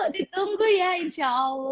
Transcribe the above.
ditunggu ya insya allah